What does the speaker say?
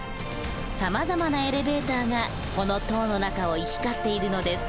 さまざまなエレベーターがこの塔の中を行き交っているのです。